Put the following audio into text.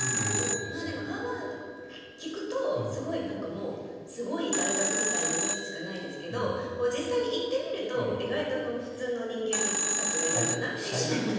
ハーバードって聞くとすごい大学みたいなイメージしかないですけど実際に行ってみると意外と普通の人間たちがいるんだなって。